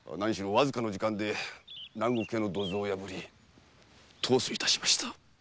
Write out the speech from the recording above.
わずかの時間で南国屋の土蔵を破り逃走いたしました。